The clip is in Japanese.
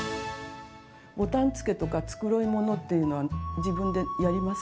ボタンつけとか繕い物っていうのは自分でやりますか？